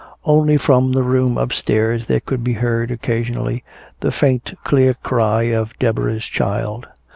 Only from the room upstairs there could be heard occasionally the faint clear cry of Deborah's child.